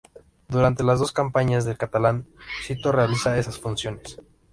Durante las dos campañas del catalán, Sito realiza esas funciones.